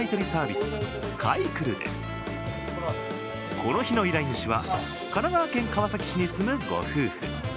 この日の依頼主は神奈川県川崎市に住むご夫婦。